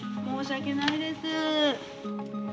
申し訳ないです。